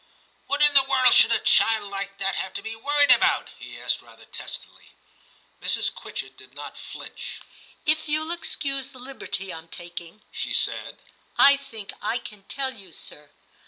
*What in the world should a child like that have to be worried about ?' he asked rather testily. Mrs. Quitchett did not flinch. *If you'll excuse the liberty I'm taking,' she said, * I think I can tell you, sir.